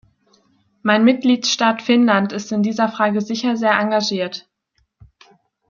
Mein Mitgliedstaat Finnland ist in dieser Frage sicher sehr engagiert.